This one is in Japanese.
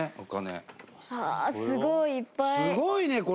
伊達：すごいね、これ。